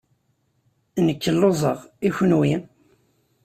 Nekk lluẓeɣ. I kenwi?